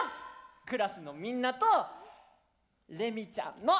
クラスのみんなとれみちゃんの。